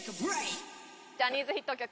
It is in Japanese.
ジャニーズヒット曲